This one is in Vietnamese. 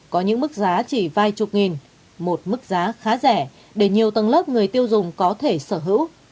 có những mức giá chỉ vài chục nghìn một mức giá khá rẻ để nhiều tầng lớp người tiêu dùng có thể sở hữu